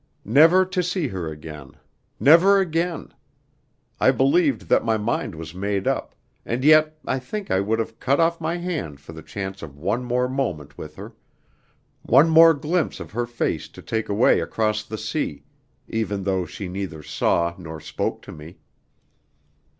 Never to see her again never again! I believed that my mind was made up, and yet I think I would have cut off my hand for the chance of one more moment with her one more glimpse of her face to take away across the sea, even though she neither saw nor spoke to me.